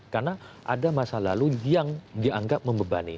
karena ada masa lalu yang dianggap membebani